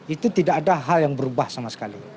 itu tidak ada hal yang berubah sama sekali